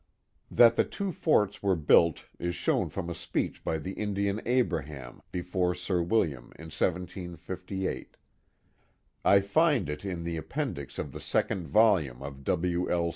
That the two forts were built is shown from a speech by the Indian Abraham, before Sir William in 1758. I find it in the appendix of the second volume of W. L.